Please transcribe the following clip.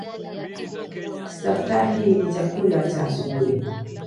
Staftahi ni chakula cha asubuhi.